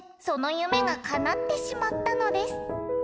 そのゆめがかなってしまったのです。